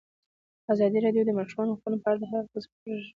ازادي راډیو د د ماشومانو حقونه په اړه د هر اړخیز پوښښ ژمنه کړې.